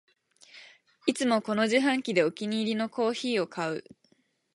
いつもこの自販機でお気に入りのコーヒーを買う